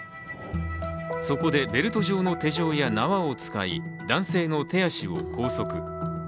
そこでベルト状の手錠や縄を使い男性の手足を拘束。